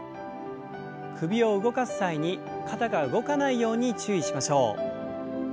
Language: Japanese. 首を動かす際に肩が動かないように注意しましょう。